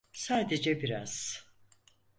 Sadece biraz…